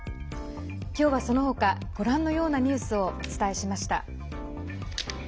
今日はそのほかご覧のようなニュースをお伝えしました。